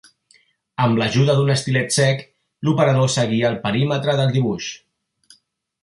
Amb l'ajuda d'un estilet sec, l'operador seguia el perímetre del dibuix.